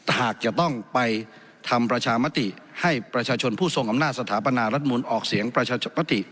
หากจะต้องไปทำประชามติให้ประชาชนผู้ทรงอำนาจสถาปนารัฐมนต์ออกเสียงประชาปติ